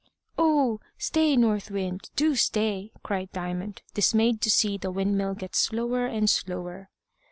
"Oh! stay, North Wind, do stay!" cried Diamond, dismayed to see the windmill get slower and slower.